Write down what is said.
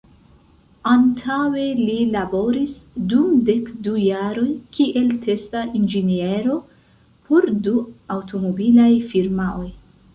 Antaŭe li laboris dum dek du jaroj kiel testa inĝeniero por du aŭtomobilaj firmaoj.